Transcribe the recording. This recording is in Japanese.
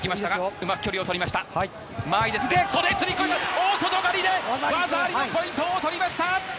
大外刈りで技ありのポイントを取りました！